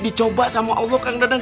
dicoba sama allah kang dadang